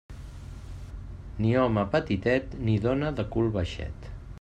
Ni home petitet, ni dona de cul baixet.